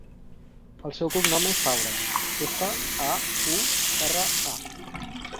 El seu cognom és Faura: efa, a, u, erra, a.